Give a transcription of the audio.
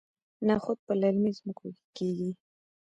نخود په للمي ځمکو کې کیږي.